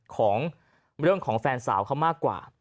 ของเรื่องของแฟนสาวเขามากกว่า